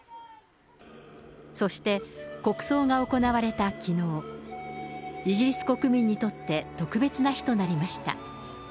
そして国葬が行われたきのう、イギリス国民にとって特別な日となりました。